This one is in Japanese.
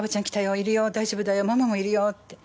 大丈夫だよママもいるよって。